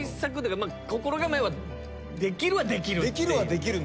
心構えはできるはできる？